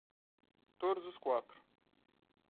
Todos os quatro